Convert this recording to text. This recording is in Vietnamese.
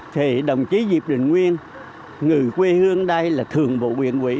thì đồng chí diệp đình nguyên người quê hương đây là thường vụ quyền quỹ